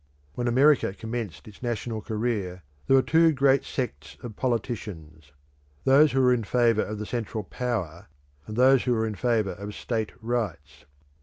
When America commenced its national career there were two great sects of politicians; those who were in favour of the central power, and those who were in favour of state rights.